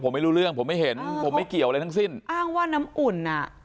ผมไม่รู้เรื่องผมไม่เห็นผมไม่เกี่ยวอะไรทั้งสิ้นอ้างว่าน้ำอุ่นอ่ะ